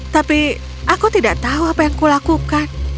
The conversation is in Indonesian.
tapi aku tidak tahu apa yang kulakukan